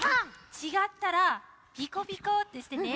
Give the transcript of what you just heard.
ちがったら「ピコピコ」ってしてね。